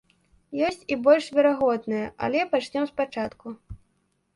Ёсць і больш верагодная, але пачнём спачатку.